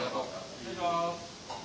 失礼します。